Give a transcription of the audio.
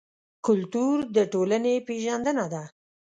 کلتور د ټولنې پېژندنه ده.